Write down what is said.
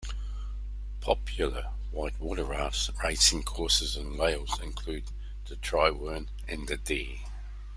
Popular whitewater racing courses in Wales include the Tryweryn, and the Dee.